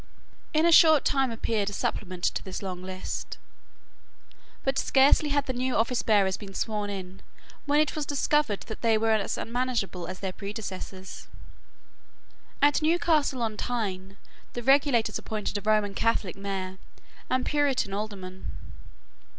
In a short time appeared a supplement to this long list. But scarcely had the new officebearers been sworn in when it was discovered that they were as unmanageable as their predecessors. At Newcastle on Tyne the regulators appointed a Roman Catholic Mayor and Puritan Alderman.